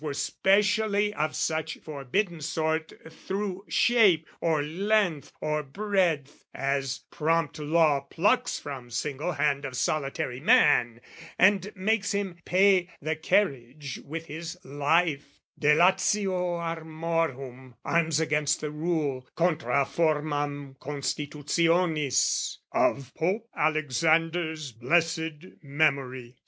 Were specially of such forbidden sort Through shape or length or breadth, as, prompt, law plucks From single hand of solitary man, And makes him pay the carriage with his life: Delatio armorum, arms against the rule, Contra formam constitutionis, of Pope Alexander's blessed memory.